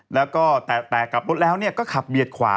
แล้วก็แตกกลับรถแล้วก็ขับเบียดขวา